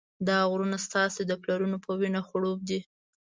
دا غرونه ستاسې د پلرونو په وینه خړوب دي.